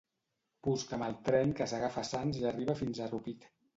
Busca'm el tren que s'agafa a Sants i arriba fins a Rupit.